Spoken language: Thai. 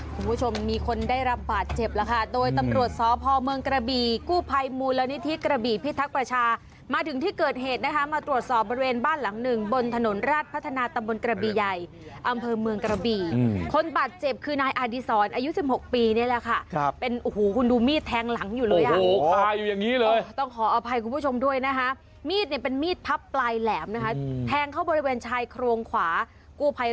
คุณผู้ชมมีคนได้รับบาดเจ็บแล้วค่ะโดยตำรวจสอบภอมเมืองกระบีกู้ภัยมูลนิธิกระบีพิทักษ์ประชามาถึงที่เกิดเหตุนะคะมาตรวจสอบบริเวณบ้านหลังหนึ่งบนถนนราชพัฒนาตำรวจกระบีใหญ่อำเภอเมืองกระบีคนบาดเจ็บคือนายอาธิสอนอายุ๑๖ปีนี่แหละค่ะเป็นหูคุณดูมีดแทงหลังอยู่เลยอ่ะอยู่อย่